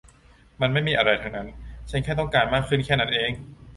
มันไม่มีอะไรทั้งนั้น ฉันแค่ต้องการมากขึ้นแค่นั้นเอง